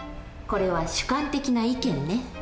これは主観的な意見ね。